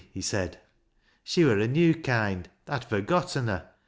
he said, "She wur a new land. I'd forgotten her.